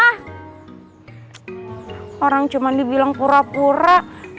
ah orang cuma dibilang pura pura